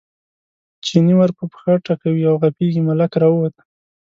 چیني ور په پښه ټکوي او غپېږي، ملک راووت.